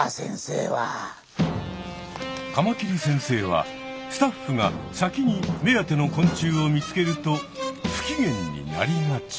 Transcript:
カマキリ先生はスタッフが先に目当ての昆虫を見つけるとふきげんになりがち。